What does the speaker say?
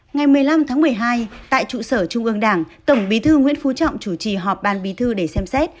ngày một mươi năm tháng một mươi hai tại trụ sở trung ương đảng tổng bí thư nguyễn phú trọng chủ trì họp ban bí thư để xem xét